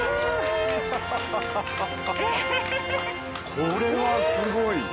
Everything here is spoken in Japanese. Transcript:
これはすごい。